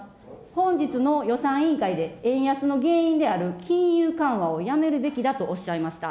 本日の予算委員会で円安の原因である金融緩和をやめるべきだとおっしゃいました。